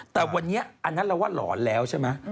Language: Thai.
แต่วันนี้อันนั้นเราว่าหลอนแล้วใช่ไหม